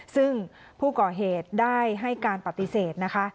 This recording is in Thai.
ซึ่งผู้ก่อเหตุได้ให้การปฏิเสธนะคะ